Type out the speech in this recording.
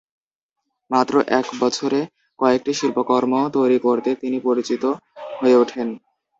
মাত্র এক বছরে কয়েকটি শিল্পকর্ম তৈরি করতে তিনি পরিচিত হয়ে ওঠেন।